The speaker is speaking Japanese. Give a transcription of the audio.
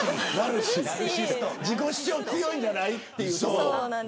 自己主張強いんじゃないみたいな。